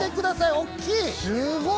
大きい。